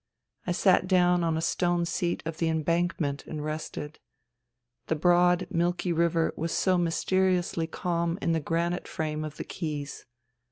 I sat down on a stone seat of the embank ment and rested. The broad milky river was so mysteriously calm in the granite frame of the quays.